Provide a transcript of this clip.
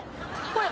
これ。